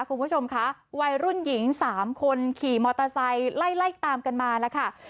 คุณผู้ชมคะวัยรุ่นหญิงสามคนขี่มอเตอร์ไซค์ไล่ตามกันมาแล้วค่ะ